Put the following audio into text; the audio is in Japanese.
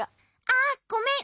あっごめん。